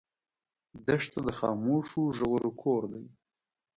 دښته د خاموشو ژورو کور دی.